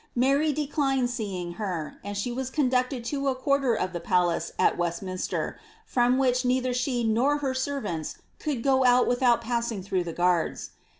Mary declined seeing her, and she was con ducted to a quarter of the palace at Westminster, from which neither she nor her servants could go out without passing through the guards.